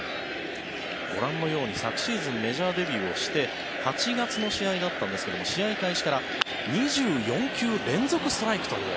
ご覧のように昨シーズンメジャーデビューをして８月の試合だったんですが試合開始から２４球連続ストライクという。